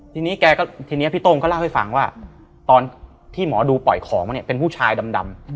ทีนี้แกก็ทีนี้พี่โต้งก็เล่าให้ฟังว่าตอนที่หมอดูปล่อยของมาเนี่ยเป็นผู้ชายดำ